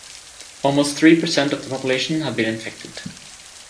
Almost three per cent of the population had been infected.